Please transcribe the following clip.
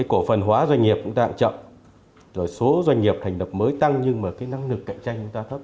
cổ phần hóa doanh nghiệp cũng tạm chậm số doanh nghiệp thành lập mới tăng nhưng năng lực cạnh tranh thấp